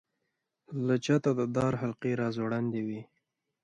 له چته د دار حلقې را ځوړندې وې.